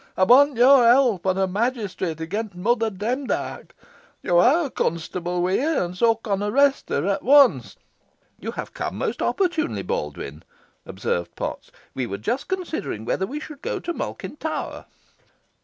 Ey want your help os a magistrate agen Mother Demdike. Yo ha a constable wi' ye, and so can arrest her at wonst." "You have come most opportunely, Baldwyn," observed Potts. "We were just considering whether we should go to Malkin Tower."